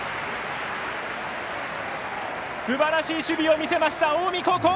すばらしい守備を見せました近江高校！